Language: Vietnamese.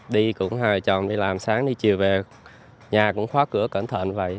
đi cũng hài trộm đi làm sáng đi chiều về nhà cũng khóa cửa cẩn thận vậy